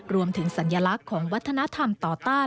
สัญลักษณ์ของวัฒนธรรมต่อต้าน